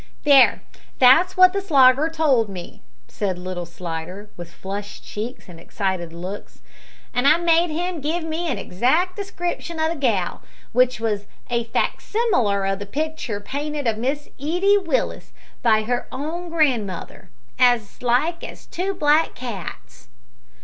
"There that's wot the Slogger told me," said little Slidder, with flushed cheeks and excited looks, "an' I made him give me an exact description o' the gal, which was a facsimilar o' the pictur' painted o' Miss Edie Willis by her own grandmother as like as two black cats."